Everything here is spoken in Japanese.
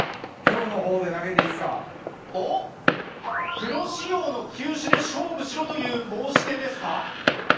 プロ仕様の球種で勝負しろという申し出ですか？